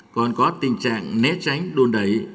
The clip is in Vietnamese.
còn có tình trạng nét tránh đun đẩy